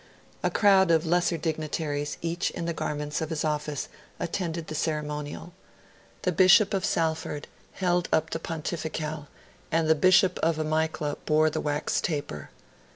A crowd of lesser dignitaries, each in the garments of his office, attended the ceremonial. The Bishop of Salford held up the Pontificale and the Bishop of Amycla bore the wax taper.